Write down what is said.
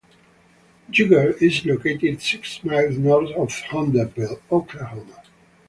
Yeager is located six miles north of Holdenville, Oklahoma.